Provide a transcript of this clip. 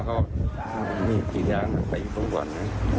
ก็มาเข้ามีกี่อย่างไฟพรุ่งก่อน